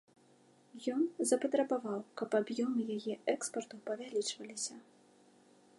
Ён запатрабаваў, каб аб'ёмы яе экспарту павялічваліся.